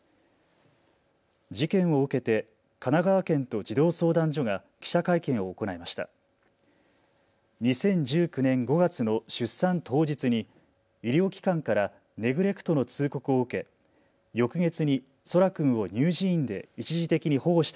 事件を受けて神奈川県と児童相談所が記者会見を行いました。